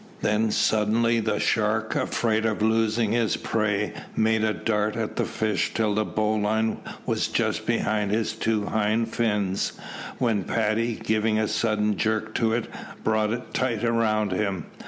Then suddenly the shark, afraid of losing his prey, made a dart at the fish till the bowline was just behind his two hind fins, when Paddy, giving a sudden jerk to it, brought it tight round him.